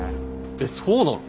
えそうなの？